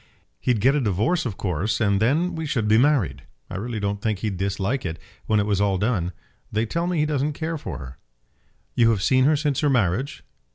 "He'd get a divorce, of course, and then we should be married. I really don't think he'd dislike it, when it was all done. They tell me he doesn't care for her." "You have seen her since her marriage?"